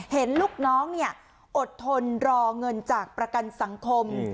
เห็นลูกน้องอดทนรอเงินจากประกันสังคม